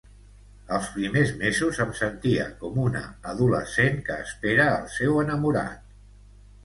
Els primers mesos em sentia com una adolescent que espera el seu enamorat.